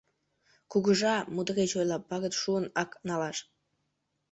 «Кугыжа! — мудреч ойла, Пагыт шуын ак налаш.